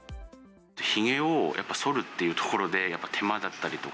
ひげをやっぱ、そるというところで、やっぱ手間だったりとか。